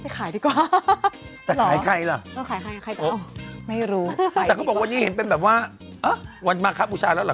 ก็ไปขายดีกว่าแต่ขายใครล่ะ